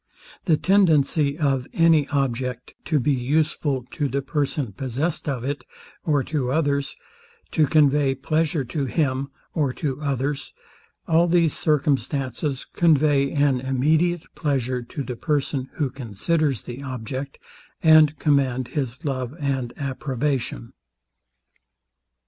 The tendency of any object to be useful to the person possessed of it, or to others; to convey pleasure to him or to others; all these circumstances convey an immediate pleasure to the person, who considers the object, and command his love and approbation.